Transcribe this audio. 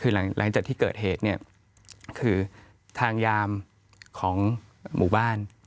คือหลังจากที่เกิดเหตุเนี่ยคือทางยามของหมู่บ้าน